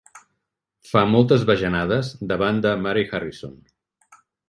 Fa moltes bajanades davant de Mary Harrison!